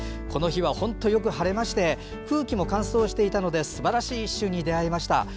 この日は本当によく晴れまして空気も乾燥していたのですばらしい一瞬に出会えました。